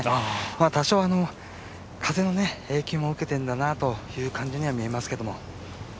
多少風の影響も受けてるんだなという感じには見えますけど。